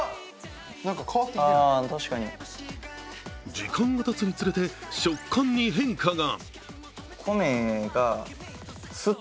時間がたつにつれて食感に変化が。